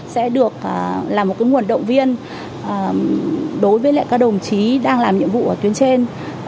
sẽ được là một nguồn động viên đối với các đồng chí đang làm nhiệm vụ ở tuyến trên